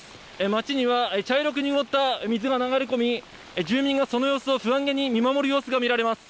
町には茶色く濁った水が流れ込み、住民がその様子を不安げに見守る様子が見られます。